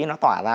nó tỏa ra